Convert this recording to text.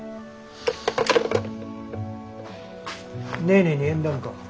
ネーネーに縁談か？